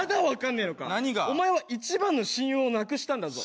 お前は一番の親友をなくしたんだぞ？